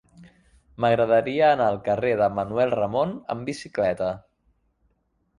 M'agradaria anar al carrer de Manuel Ramon amb bicicleta.